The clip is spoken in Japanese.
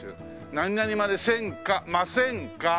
何々せんか「ませんか」